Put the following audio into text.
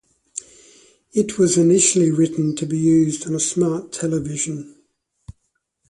It was initially written to be used on a smart television